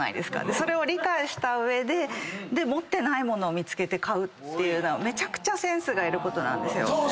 それを理解した上で持ってない物を見つけて買うっていうのはセンスがいることなんですよ。